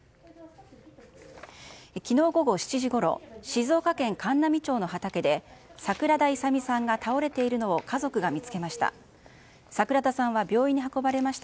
昨日午後７時ごろ静岡県函南町の畑で桜田勇美さんが倒れているのを家族が見つけました。